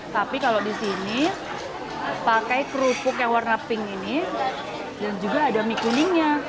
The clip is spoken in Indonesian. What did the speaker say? tapi kalau di sini pakai kerupuk yang warna pink ini dan juga ada mie kuningnya